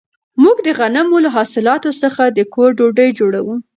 موږ د غنمو له حاصلاتو څخه د کور ډوډۍ جوړوو.